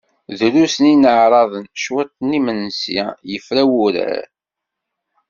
Drus n yineɛraḍen, cwiṭ n yimensi, yefra wurar.